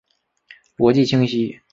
逻辑清晰！